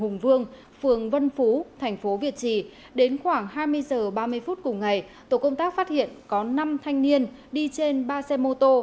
hùng vương phường vân phú thành phố việt trì đến khoảng hai mươi h ba mươi phút cùng ngày tổ công tác phát hiện có năm thanh niên đi trên ba xe mô tô